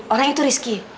orang itu rizky